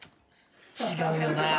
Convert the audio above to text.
違うよな。